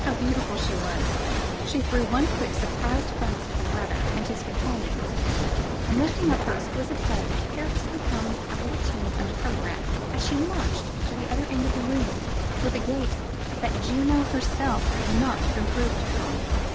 How beautiful she was! She threw one quick, surprised glance at her brother and his companions, and lifting up her exquisite head carelessly hummed a little tune under her breath as she marched to the other end of the room with a gait that Juno herself could not have improved upon.